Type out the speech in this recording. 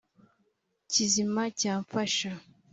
kizima cyamfasha.